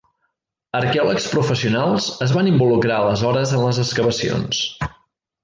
Arqueòlegs professionals es van involucrar aleshores en les excavacions.